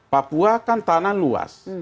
papua kan tanah luas